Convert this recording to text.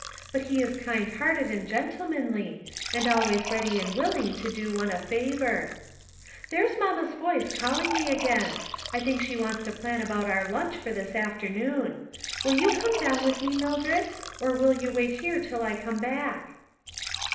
But he is kind hearted and gentlemanly, and 52 ONE COMMONPLACE DAY. always ready and willing to do one a favor. " There's mamma's voice calling me again. I think she wants to plan about our lunch for this afternoon ; will you come down with me, Mildred, or will you wait here till I come back